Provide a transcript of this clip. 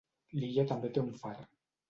L'illa també té un far.